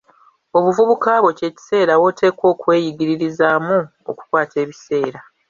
Obuvubuka bwo kye kiseera woteekwa okweyigiririzaamu okukwata ebiseera.